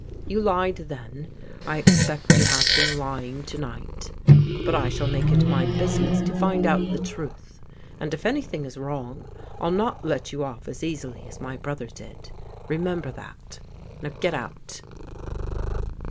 You lied then; I ex pect you have been lying to night; but I shall make it my business to find out the truth, and if anything is wrong I'll not let you off as easily as my brother did, remember that. Now get out."